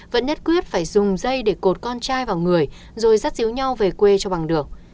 vẫn nhất quyết phải dùng dây để cột con trai vào người rồi sát diếu nhau về quê cho bằng được